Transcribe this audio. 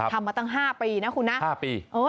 มาตั้ง๕ปีนะคุณนะ๕ปี